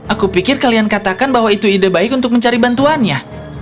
aku pikir kalian katakan bahwa itu ide baik untuk mencari bantuannya